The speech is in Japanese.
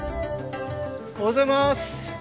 おはようございます！